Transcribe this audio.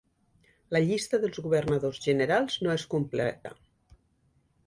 La llista dels Governadors generals no és completa.